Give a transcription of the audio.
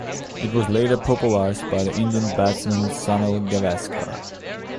It was later popularised by the Indian batsman Sunil Gavaskar.